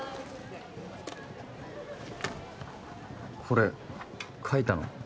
これ描いたの？